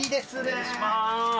失礼します。